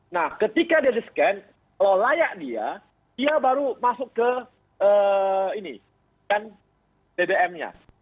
nah ketika dia di scan kalau layak dia dia baru masuk ke bbm nya